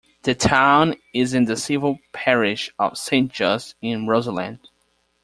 The town is in the civil parish of Saint Just in Roseland.